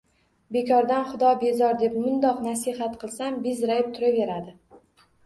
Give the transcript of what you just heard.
Bekordan xudo bezor, deb mundoq nasihat qilsam, bezrayib turaveradi.